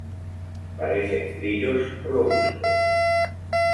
Parecen grillos robustos.